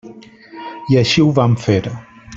I així ho vam fer.